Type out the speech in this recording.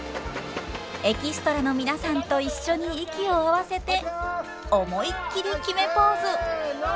エキストラの皆さんと一緒に息を合わせて思いっきり決めポーズ！